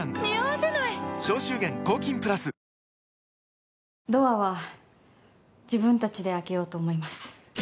あぁドアは自分たちで開けようと思います